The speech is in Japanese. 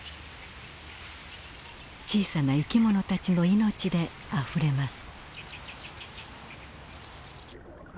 小さな生きものたちの命であふれます。